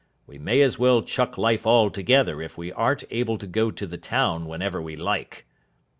We may as well chuck life altogether if we aren't able to go to the town whenever we like."